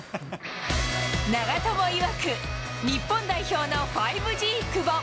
長友いわく、日本代表の５Ｇ久保。